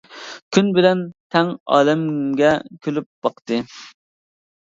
كۈن بىلەن تەڭ ئالەمگە كۈلۈپ باقتى.